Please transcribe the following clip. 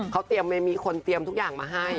เขาเตรียมมีคนเตรียมทุกอย่างมาให้